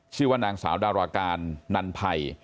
ชื่อว่านางสาวดาราการนันภัย